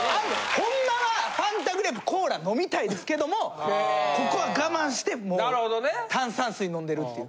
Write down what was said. ホンマはファンタグレープコーラ飲みたいですけどもここは我慢してもう炭酸水飲んでるっていう。